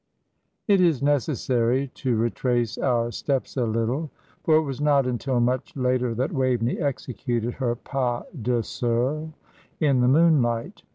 It is necessary to retrace our steps a little; for it was not until much later that Waveney executed her pas de seul in the moonlight.